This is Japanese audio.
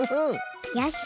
よし！